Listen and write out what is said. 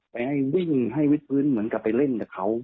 ไปให้วิ่งให้วิดพื้นเหมือนกับไปเล่นกับเขา